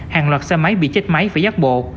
hàng loạt xe máy bị chết máy phải giác bộ